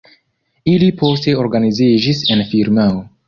Ili poste organiziĝis en firmao.